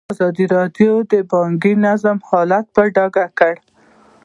ازادي راډیو د بانکي نظام حالت په ډاګه کړی.